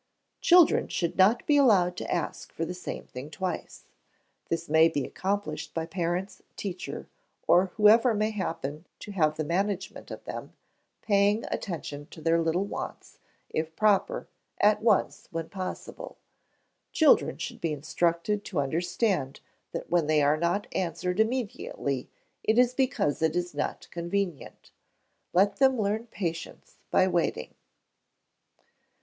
Children should not be allowed to ask for the same thing twice. This may be accomplished by parents, teacher, or whoever may happen to have the management of them, paying attention to their little wants, if proper, at once, when possible. Children should be instructed to understand that when they are not answered immediately, it is because it is not convenient. Let them learn patience by waiting.